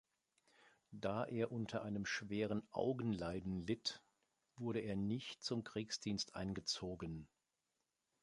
Da er unter einem schweren Augenleiden litt, wurde er nicht zum Kriegsdienst eingezogen.